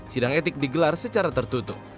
sidang etik digelar secara tertutup